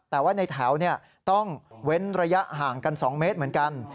แต่ว่าในแถวต้องเว้นระยะห่างกัน๒เมตรเหมือนกัน